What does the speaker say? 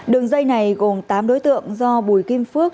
đường dây này gồm tám đối tượng do bùi kim phước